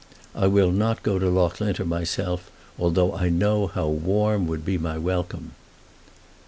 I will not go to Loughlinter myself, although I know how warm would be my welcome.